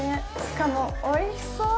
しかも、おいしそう。